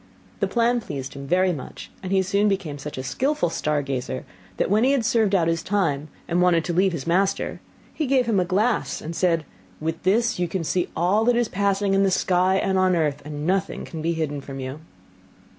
The plan pleased him much, and he soon became such a skilful star gazer, that when he had served out his time, and wanted to leave his master, he gave him a glass, and said, 'With this you can see all that is passing in the sky and on earth, and nothing can be hidden from you.